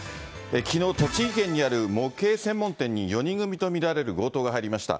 きのう、栃木県にある模型専門店に、４人組と見られる強盗が入りました。